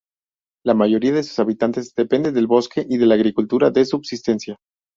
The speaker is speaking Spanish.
La mayoría de sus habitantes depende del bosque y de la agricultura de subsistencia.